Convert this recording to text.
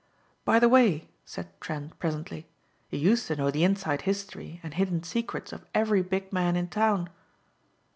"By the way," said Trent presently, "you used to know the inside history and hidden secrets of every big man in town."